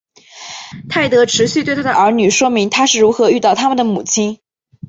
泰德持续对他的儿女说明他是如何遇到他们的母亲。